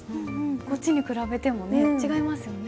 こっちに比べてもね違いますよね。